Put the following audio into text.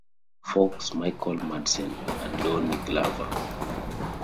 Fox, Michael Madsen and Danny Glover.